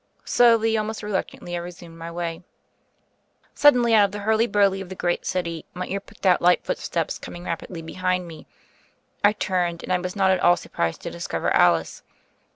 Slowly, al most reluctantly, I resumed my way. Suddenly, out of the hurly burly of the great city, my ear picked out light footsteps coming rapidly behind me; I turned, and I was not at all surprised to discover Alice.